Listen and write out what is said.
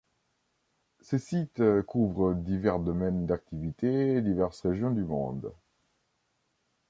Ces sites couvrent divers domaines d'activités et diverses régions du monde.